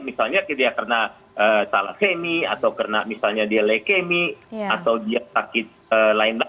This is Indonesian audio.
misalnya dia karena salah femi atau karena misalnya dia lekemi atau dia sakit lain lain